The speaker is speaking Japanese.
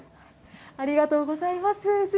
ありがとうございます。